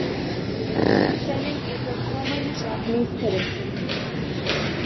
"Sennin" is a common Japanese character name.